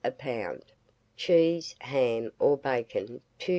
a pound, cheese, ham, or bacon 2s.